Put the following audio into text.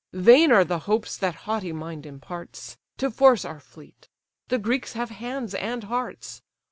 Vain are the hopes that haughty mind imparts, To force our fleet: the Greeks have hands and hearts.